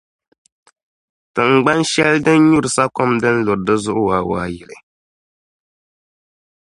Tiŋgban’ shɛli din nyuri sakom din luri di zuɣu waawaayili.